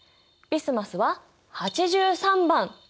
ビスマスは８３番。